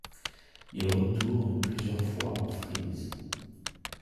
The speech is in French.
Il retourne plusieurs fois en Frise.